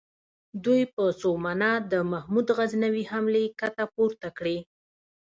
دوی په سومنات د محمود غزنوي حملې کته پورته کړې.